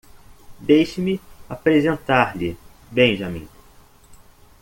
Deixe-me apresentar-lhe Benjamin.